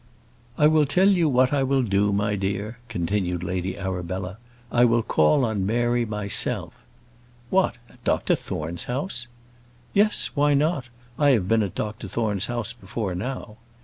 "I will tell you what I will do, my dear," continued Lady Arabella; "I will call on Mary myself." "What! at Dr Thorne's house?" "Yes; why not? I have been at Dr Thorne's house before now."